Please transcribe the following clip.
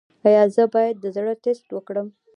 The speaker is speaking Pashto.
ایا زه باید د زړه ټسټ وکړم؟